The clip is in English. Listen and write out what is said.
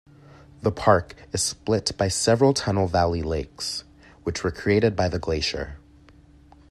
The Park is split by several tunnel-valley lakes, which were created by the glacier.